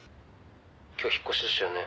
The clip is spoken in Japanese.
「今日引っ越しでしたよね？」